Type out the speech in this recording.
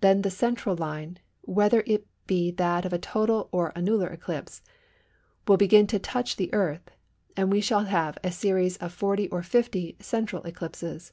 Then the central line, whether it be that of a total or annular eclipse, will begin to touch the Earth, and we shall have a series of 40 or 50 central eclipses.